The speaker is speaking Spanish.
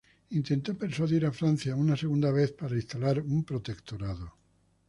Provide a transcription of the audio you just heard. Intentó persuadir a Francia una segunda vez para instalar un protectorado.